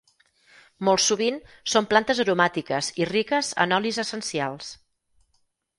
Molt sovint són plantes aromàtiques i riques en olis essencials.